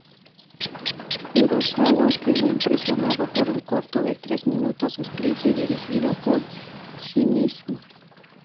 Kurosawa quedó impresionado por un corto de tres minutos escrito y dirigido por Shimizu.